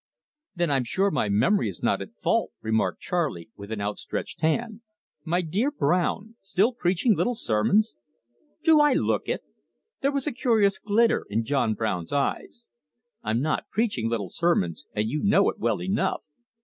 "Then I'm sure my memory is not at fault," remarked Charley, with an outstretched hand. "My dear Brown! Still preaching little sermons?" "Do I look it?" There was a curious glitter in John Brown's eyes. "I'm not preaching little sermons, and you know it well enough."